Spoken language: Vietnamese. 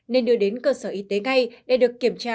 nên đưa đến cơ sở y tế ngay để được kiểm tra